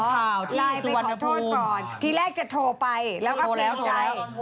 เหมือนประมาณว่าคนรับรู้ทั้งประเทศอ่ะ